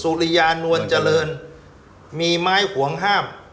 สุริยานวลเจริญมีไม้ห่วงห้าม